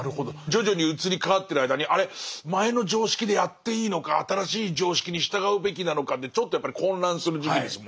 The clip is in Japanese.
徐々に移り変わってる間にあれっ前の常識でやっていいのか新しい常識に従うべきなのかでちょっとやっぱり混乱する時期ですもんね。